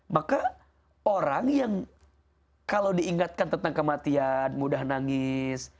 maka orang yang kalau diingatkan tentang kematian mudah nangis